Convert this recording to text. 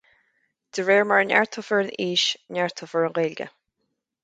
De réir mar a neartófar an fhís, neartófar an Ghaeilge